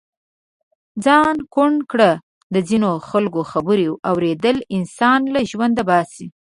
ځان ڪوڼ ڪړه د ځينو خلڪو خبرې اوریدل انسان له ژونده باسي.